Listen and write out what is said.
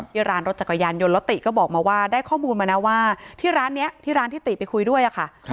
ที่ร้านรถจักรยานยนต์แล้วติก็บอกมาว่าได้ข้อมูลมานะว่าที่ร้านนี้ที่ร้านที่ติไปคุยด้วยอะค่ะ